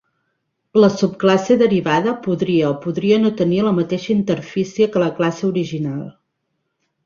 La subclasse derivada podria o podria no tenir la mateixa interfície que la classe original.